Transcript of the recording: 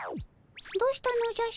どうしたのじゃ？